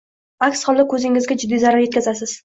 Aks holda koʻzingizga jiddiy zarar yetkazasiz